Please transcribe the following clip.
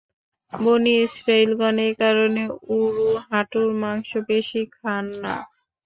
বনী-ইসরাঈলগণ এ কারণে উরু-হাঁটুর মাংসপেশী খান না।